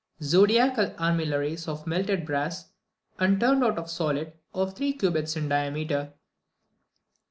Zodiacal armillaries of melted brass, and turned out of the solid, of three cubits in diameter.